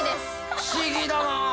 不思議だな！